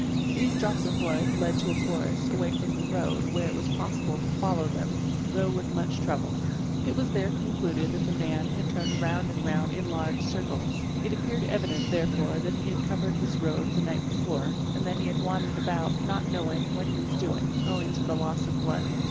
These drops of blood led to a forest away from the road, where it was possible to follow them, though with much trouble. It was there con cluded that the man had turned round and round in large circles. It appeared evident therefore that he had covered this road the night before and that he had wandered about not knowing what he was doing owing to the loss of blood®®.